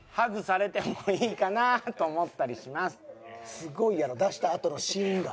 すごいやろ出したあとの「シーン」が。